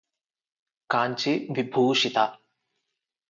కాంచివిభూషిత!